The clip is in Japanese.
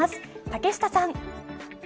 竹下さん。